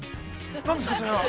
◆何ですか、それは？